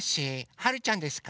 はるちゃんですか？